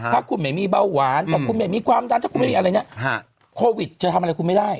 ถ้าคุณไม่มีเบาหวานแต่คุณไม่มีความดันถ้าคุณไม่มีอะไรเนี่ยโควิดจะทำอะไรคุณไม่ได้